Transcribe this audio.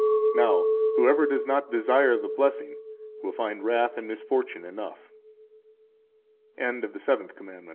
Now, whoever does not desire the blessing will find wrath and misfortune enough. The Eighth Commandment.